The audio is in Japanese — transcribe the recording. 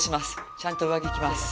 ちゃんと上着着ます。